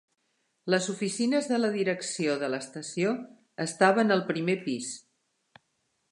Les oficines de la direcció de l'estació estaven al primer pis.